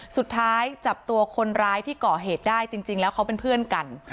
สุดท้ายจับตัวคนร้ายที่ก่อเหตุได้จริงแล้วเขาเป็นเพื่อนกัน